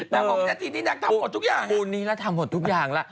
แต่ว่าวันนี้ที่นานทำหมดทุกอย่าง